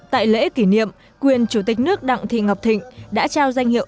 tại lễ kỷ niệm quyền chủ tịch nước đặng thị ngọc thịnh đã trao danh hiệu